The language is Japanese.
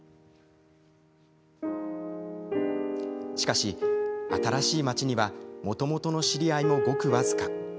しかし、新しい町にはもともとの知り合いもごく僅か。